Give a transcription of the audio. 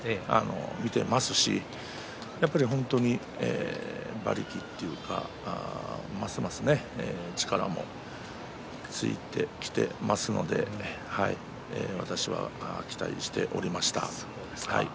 見ていますし本当に馬力というかますます力もついてきていますので私は、期待しておりました。